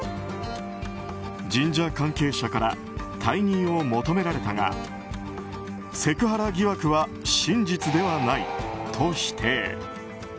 神社関係者から退任を求められたがセクハラ疑惑は真実ではないと否定。